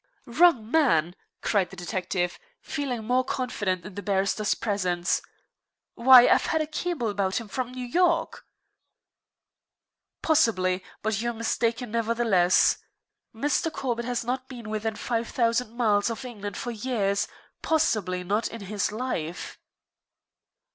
"Wrong man!" cried the detective, feeling more confident in the barrister's presence. "Why, I've had a cable about him from New York." "Possibly; but you're mistaken, nevertheless. Mr. Corbett has not been within five thousand miles of England for years, possibly not in his life."